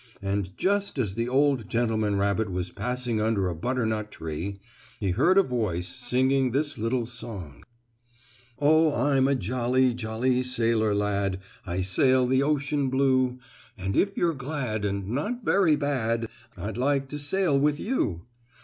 And, just as the old gentleman rabbit was passing under a butternut tree, he heard a voice singing this little song: "Oh, I'm a jolly, jolly sailor lad, I sail the ocean blue. And if you're glad, and not very bad, I'd like to sail with you.